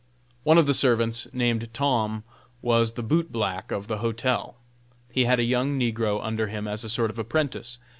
One of the servants, named Tom, was the bootblack of the hotel. He had a young negro under him as a sort of an apprentice.